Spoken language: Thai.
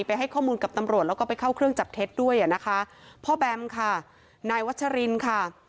ให้ข้อมูลกับตำรวจแล้วก็ไปเข้าเครื่องจับเท็จด้วยอ่ะนะคะพ่อแบมค่ะนายวัชรินค่ะ